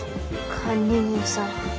管理人さん。